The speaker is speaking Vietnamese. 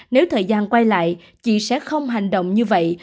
nếu thời gian quay lại chị sẽ không hành động như vậy